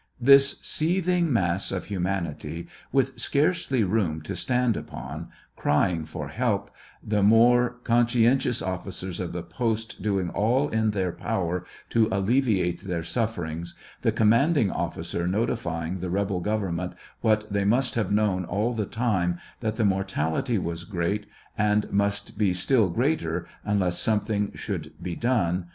This seething mass of humanity, with scarcely room to stand upon, crying for help, the more conscientious officers of the post doing all in their power to alle viate their sufferings, the commanding officer notifying the rebel government what they must have known all the time, that the mortality was great, and must be still greater unless something should be done.